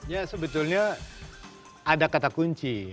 ya sebetulnya ada kata kunci